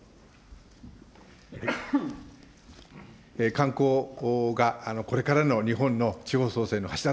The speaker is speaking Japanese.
観光がこれからの日本の地方創生の柱だ。